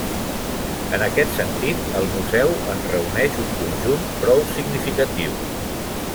En aquest sentit el Museu en reuneix un conjunt prou significatiu.